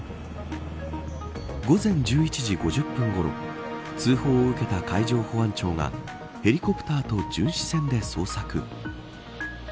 午前１１時５０分ごろ通報を受けた海上保安庁がヘリコプターと巡視船で捜索。